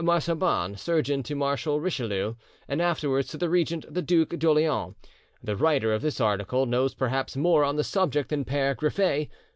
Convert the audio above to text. Marsoban, surgeon to Marshal Richelieu, and afterwards to the regent, the Duc d'Orleans. The writer of this article knows perhaps more on this subject than Pere Griffet.